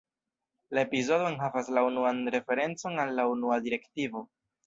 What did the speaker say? La epizodo enhavas la unuan referencon al la Unua direktivo.